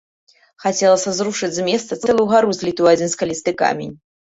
Хацелася зрушыць з месца цэлую гару, злітую ў адзін скалісты камень.